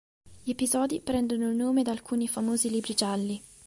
Gli episodi prendono il nome da alcuni famosi libri gialli.